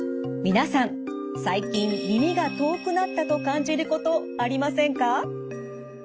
皆さん最近耳が遠くなったと感じることありませんか？